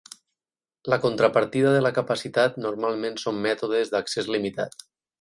La contrapartida de la capacitat normalment són mètodes d'accés limitat.